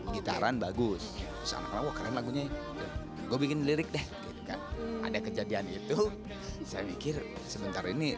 gitaran bagus sama hoka maknya gua bikin lirik deh ada kejadian itu saya mikir sebentar ini